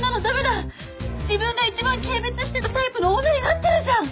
自分が一番軽蔑してたタイプの女になってるじゃん！